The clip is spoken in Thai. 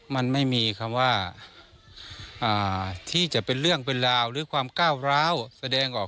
มันไม่มีคำว่าที่จะเป็นเรื่องเป็นราวหรือความก้าวร้าวแสดงออก